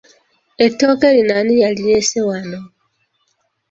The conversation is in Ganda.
Ettooke lino ani yalireese wano?